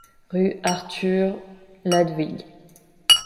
Rue Arthur Ladwig.